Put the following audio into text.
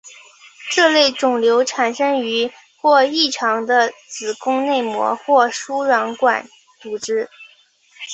这类肿瘤产生于或异常的子宫内膜或输卵管组织。